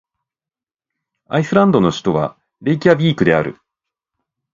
アイスランドの首都はレイキャヴィークである